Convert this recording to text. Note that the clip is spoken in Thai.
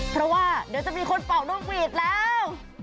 เพราะว่าเดี๋ยวจะมีคนปอกนู่นกอีกแล้ว